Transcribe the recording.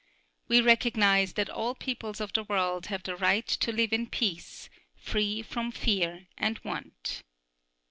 We recognize that all peoples of the world have the right to live in peace, free from fear and want.